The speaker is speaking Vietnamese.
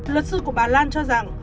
luật sư của bà lan cho rằng